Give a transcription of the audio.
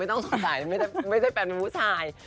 ไม่ต้องสงสัยไม่ใช่แฟนเป็นผู้สาย